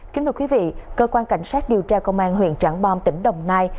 kính thưa quý vị cơ quan cảnh sát điều tra công an huyện trảng bom tỉnh đồng nai